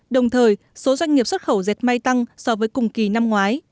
đồng thời số doanh nghiệp xuất khẩu dệt may tăng so với cùng kỳ năm ngoái